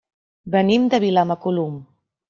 Venim de Vilamacolum.